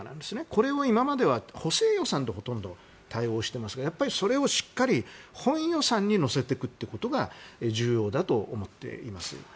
これを今までは補正予算でほとんど対応していますがやっぱり、それをしっかり本予算に乗せていくことが重要だと思っています。